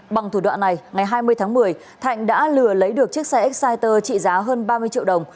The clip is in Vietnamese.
bằng thủ đoạn này ngày hai mươi tháng một mươi thạnh đã lừa lấy được chiếc xe exciter trị giá hơn ba mươi triệu đồng